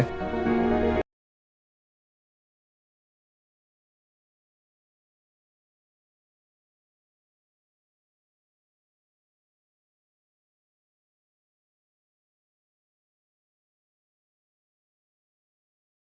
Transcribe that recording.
oke sampai jumpa